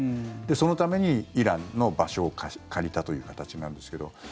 そのためにイランの場所を借りたという形なんですけど。